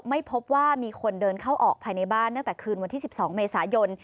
ไม่พบว่ามีคนเดินเข้าออกภายในบ้านตั้งแต่คืนวันที่๑๒เมษายน